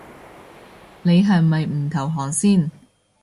你係咪唔投降先